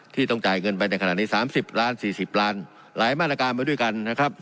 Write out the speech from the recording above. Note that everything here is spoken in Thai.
ที่ต้องจ่ายเงินไปในขณะนี้๓๐ล้าน๔๐ล้านหลายมาตรกรรมไว้ด้วยกัน